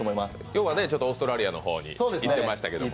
今日はオーストラリアの方に行ってましたけど。